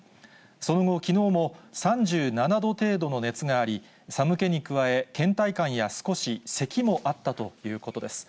その後、きのうも３７度程度の熱があり、寒気に加え、けん怠感や少しせきもあったということです。